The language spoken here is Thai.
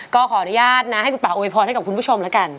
ก็ขออนุญาตนะให้คุณป่าอวยพรให้กับคุณผู้ชมแล้วกัน